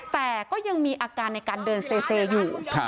แต่ก็ยังมีอาการในการเดินเซอยู่